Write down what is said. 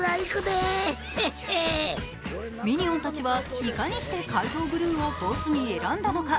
ミニオンたちはいかにして怪盗グルーをボスに選んだのか。